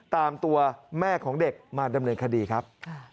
ตามตัวแม่ของเด็กมาดำเนินคดีครับ